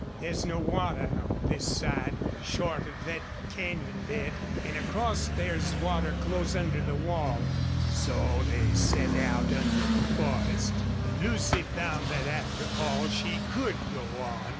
"There's no water on this side, short of thet canyon bed. An' acrost there's water close under the wall." So they set out into the forest. And Lucy found that after all she could go on.